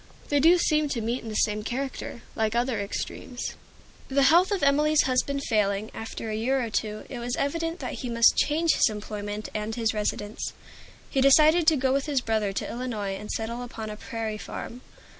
They do seem to meet in the same character, like other extremes. The health of Emilie's husband failing, after a year or two, it was evident that he must change his employment and his residence. He decided to go with his brother to Illinois and settle upon a prairie farm.